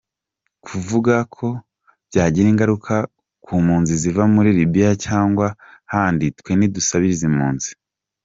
“Kuvuga ko byagira ingaruka ku mpunzi ziva muri Libya cyangwa handi, twe ntidusabiriza impunzi.